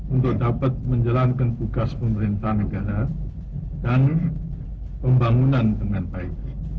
untuk dapat menjalankan tugas pemerintah negara dan pembangunan dengan baik